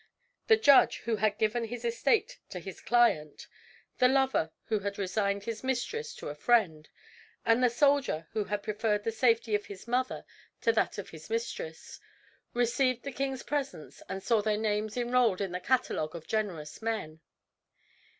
The judge, who had given his estate to his client; the lover, who had resigned his mistress to a friend; and the soldier, who had preferred the safety of his mother to that of his mistress, received the king's presents and saw their names enrolled in the catalogue of generous men.